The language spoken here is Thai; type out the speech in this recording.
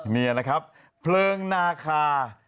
นี่นะครับเพลิงนาคา